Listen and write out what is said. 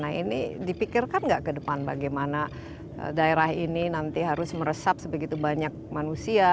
nah ini dipikirkan nggak ke depan bagaimana daerah ini nanti harus meresap sebegitu banyak manusia